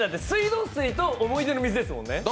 水道水と思い出の水ですもんね。